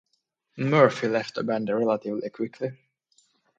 Murphy left the band relatively quickly.